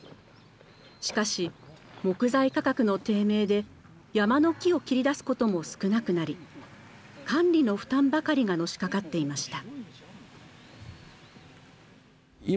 しかし木材価格の低迷で山の木を切り出すことも少なくなり管理の負担ばかりがのしかかっていました。